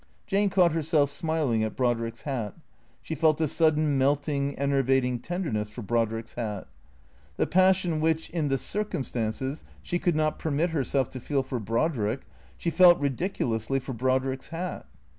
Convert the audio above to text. Jane caught herself smiling at Brodrick's hat. She felt a sudden melting, enervating tenderness for Brodrick's hat. The passion which, in the circumstances, she could not permit her self to feel for Brodrick, she felt, ridiculously, for Brodrick's hat.